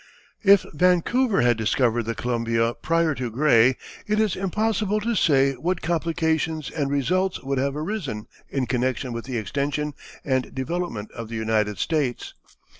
If Vancouver had discovered the Columbia prior to Gray, it is impossible to say what complications and results would have arisen in connection with the extension and development of the United States.